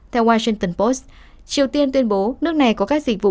theo washington post triều tiên tuyên bố nước này có các dịch vụ